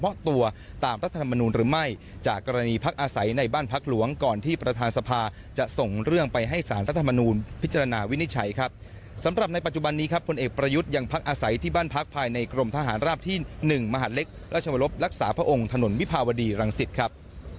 สำหรับในปัจจุบันนี้ครับผลเอกประยุทธ์ยังพักอาศัยที่บ้านพักภายในกรมทหารราบที่๑มหาดเล็กราชวรบรักษาพระองค์ถนนวิภาวดีรังสิตครับ